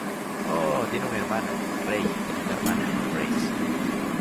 Oh tiene un hermano, Ray, y una hermana, Grace.